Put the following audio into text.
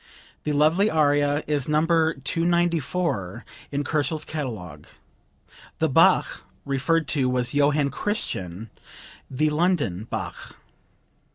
The lovely aria is No. 294 in Kochel's catalogue. The Bach referred to was Johann Christian, the "London" Bach.)